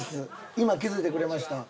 今気付いてくれました？